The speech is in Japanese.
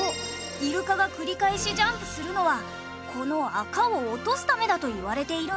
イルカが繰り返しジャンプするのはこの垢を落とすためだといわれているんだ。